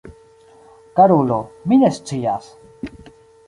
Karulo, mi ne scias.